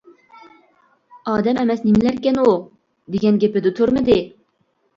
ئادەم ئەمەس نېمىلەركەن ئۇ، دېگەن گېپىدە تۇرمىدى.